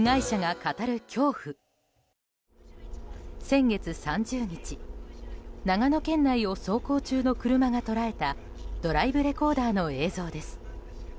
先月３０日、長野県内を走行中の車が捉えたドライブレコーダーの映像です。